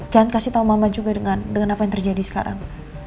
jangan kasih tau mama juga dengan apa yang terjadi sekarang